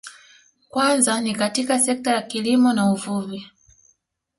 Kwanza ni katika sekta za kilimo na uvuvi